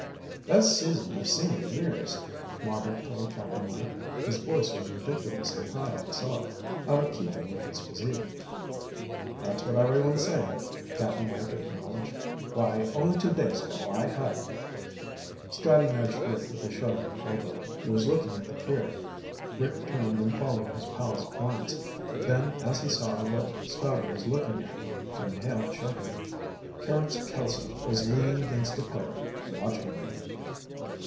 "Best season I've seen in years," Marbek told Cap'n Mike. His voice was ridiculously high and soft, out of keeping with his physique. "That's what everyone's saying," Cap'n Mike acknowledged. "Why, only two days ago, I heard ..." Scotty nudged Rick with a sharp elbow. He was looking at the pier. Rick turned and followed his pal's glance, then as he saw what Scotty was looking at, he inhaled sharply. Carrots Kelso was leaning against a pillar, watching them.